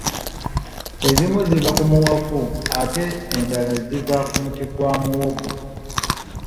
Ezimu ziva ku muwafu ate endala ziva ku muti gwa muwogo.